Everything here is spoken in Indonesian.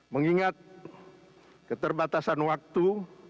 mengingat keterbatasan waktu